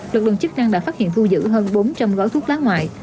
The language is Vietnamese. lực lượng chức năng đã phát hiện thu giữ hơn bốn trăm linh gói thuốc lá ngoại